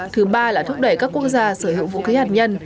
thứ ba là thúc đẩy các quốc gia sở hữu vũ khí hạt nhân